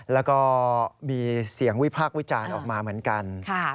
แล้วก็มีเสียงวิพากษ์วิจารณ์ออกมาเหมือนกัน